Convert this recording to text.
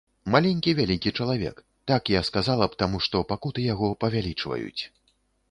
Маленькі вялікі чалавек, так я сказала б, таму што пакуты яго павялічваюць.